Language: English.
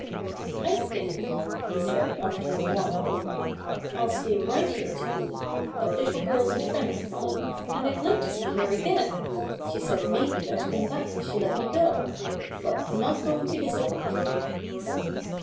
"I think," he said after a while, "I'll stay right here today. That little girl's a friend of mine, and I'd like to see her again. She said maybe I'd come back if she let me go. Well, I'm not going to disappoint her."